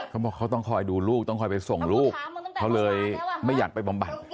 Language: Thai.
เขาบอกเขาต้องคอยดูลูกต้องคอยไปส่งลูกเขาเลยไม่อยากไปบำบัด